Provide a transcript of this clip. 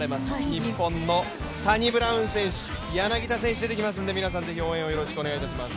日本のサニブラウン選手柳田選手も出てきますので、ぜひ皆さん応援をお願いします。